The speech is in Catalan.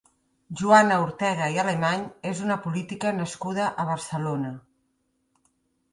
Joana Ortega i Alemany és una política nascuda a Barcelona.